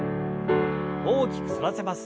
大きく反らせます。